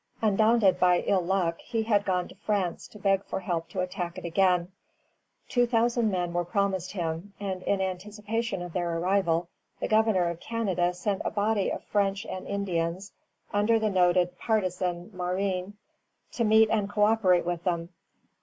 Undaunted by ill luck, he had gone to France to beg for help to attack it again; two thousand men were promised him, and in anticipation of their arrival the Governor of Canada sent a body of French and Indians, under the noted partisan Marin, to meet and co operate with them.